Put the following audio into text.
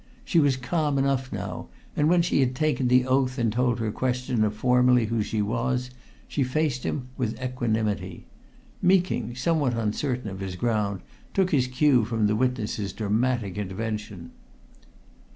She was calm enough now, and when she had taken the oath and told her questioner formally who she was, she faced him with equanimity. Meeking, somewhat uncertain of his ground, took his cue from the witness's dramatic intervention.